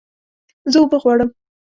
زه اوبه غواړم